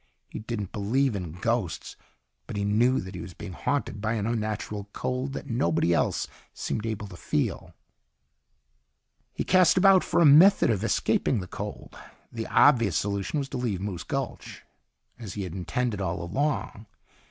He didn't believe in ghosts. But he knew that he was being haunted by an unnatural cold that nobody else seemed able to feel. He cast about for a method of escaping the cold. The obvious solution was to leave Moose Gulch, as he had intended all along.